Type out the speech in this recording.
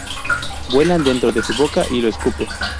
Vuelan dentro de su boca y lo escupe.